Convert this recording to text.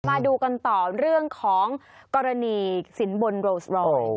มาดูกันต่อเรื่องของกรณีสินบนโรสรอย